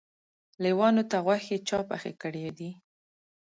لېوانو ته غوښې چا پخې کړی دي.